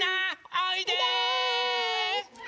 おいで！